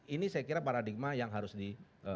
ini saya kira paradigma yang harus di